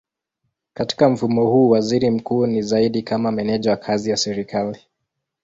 Katika mfumo huu waziri mkuu ni zaidi kama meneja wa kazi ya serikali.